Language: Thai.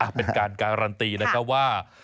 เป็นการการันตีแล้วก็ว่า